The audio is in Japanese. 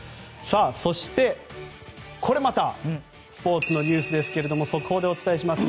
そして、これまたスポーツのニュースですが速報でお伝えします。